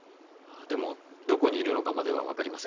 でもどこにいるのかまではわかりません。